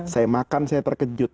saya makan saya terkejut